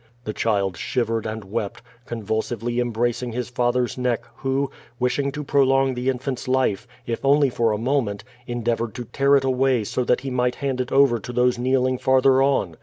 The child shivered and wept, convulsively embracing his fathers neck, who, wishing to prolong the infant's life, if only for a moment, endeavored to tear it away so that he might hand it over to those kneeling farther on.